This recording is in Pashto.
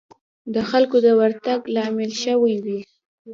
د خلکو د ورتګ لامل شوې وي.